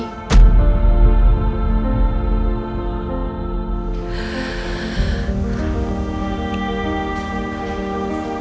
tapi kenapa harus